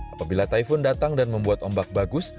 apabila typhone datang dan membuat ombak bagus